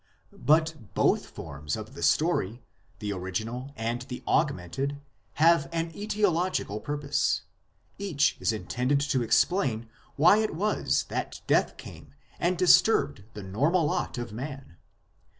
But both forms of the IMMORTALITY THE NORMAL LOT OF MAN 195 story, the original and the augmented, have an aetiological purpose ; each is intended to explain why it was that death came and disturbed the normal lot of man.